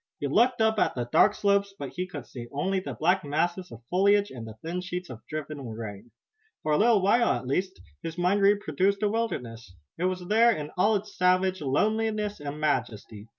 He looked up at the dark slopes, but he could see only the black masses of foliage and the thin sheets of driven rain. For a little while, at least, his mind reproduced the wilderness. It was there in all its savage loneliness and majesty.